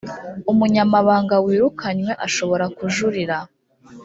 umunyamahanga wirukanywe ashobora kujuririra